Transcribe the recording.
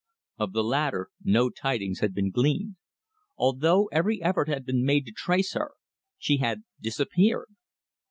Of the latter, no tidings had been gleaned. Although every effort had been made to trace her, she had disappeared.